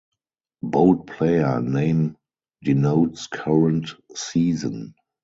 Bold player name denotes current season.